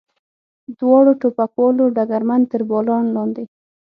دواړو ټوپکوالو ډګرمن تر باران لاندې.